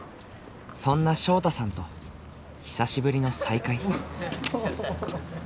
そんな昇汰さんと久しぶりの再会。